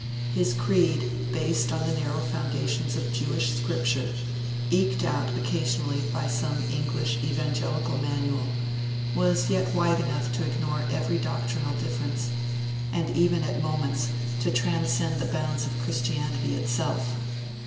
His creed, based upon the narrow foundations of Jewish Scripture, eked out occasionally by some English evangelical manual, was yet wide enough to ignore every doctrinal difference, and even, at moments, to transcend the bounds of Christianity itself.